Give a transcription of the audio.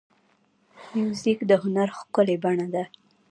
موزیک د هنر ښکلې بڼه ده.